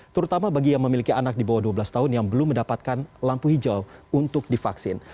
terutama bagi yang memiliki anak di bawah dua belas tahun yang belum mendapatkan lampu hijau untuk divaksin